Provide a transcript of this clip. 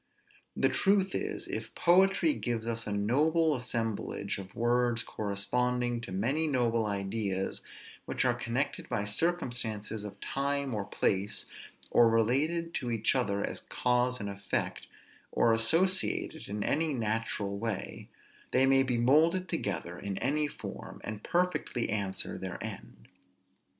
The truth is, if poetry gives us a noble assemblage of words corresponding to many noble ideas, which are connected by circumstances of time or place, or related to each other as cause and effect, or associated in any natural way, they may be moulded together in any form, and perfectly answer their end.